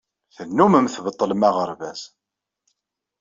Tennumem tbeṭṭlem aɣerbaz.